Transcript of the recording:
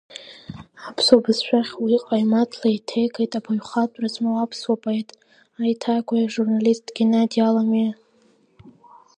Аԥсуа бызшәахь уи ҟаимаҭла еиҭеигеит абаҩхатәра змоу аԥсуа поет, аиҭагаҩ, ажурналист Геннади Аламиа.